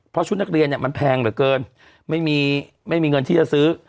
เพราะชุดนักเรียนเนี่ยมันแพงเหลือเกินไม่มีไม่มีเงินที่จะซื้อ